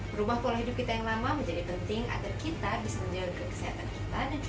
merubah pola hidup kita yang lama menjadi penting